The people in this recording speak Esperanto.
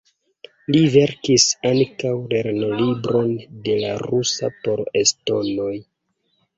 Li verkis ankaŭ lernolibron de la rusa por estonoj.